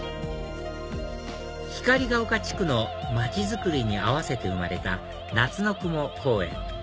光が丘地区の街づくりに合わせて生まれた夏の雲公園